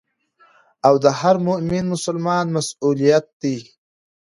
او د هر مؤمن مسلمان مسؤليت دي.